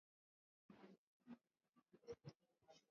Kulupitalo beko napokeza ma chandarua ya sasa